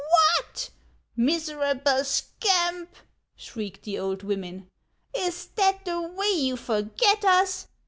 "What, miserable scamp!" shrieked the old women; " is that the way you forget us